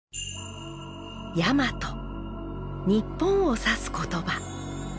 日本を指す言葉。